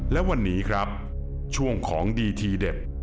และวันนี้ครับช่วงของดีทีเด็ด